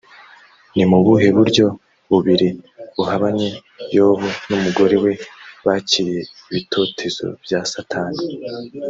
ni mu buhe buryo bubiri buhabanye yobu n’umugore we bakiriye ibitotezo bya satani